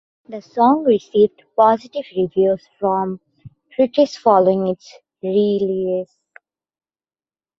The song received positive reviews from critics following its release.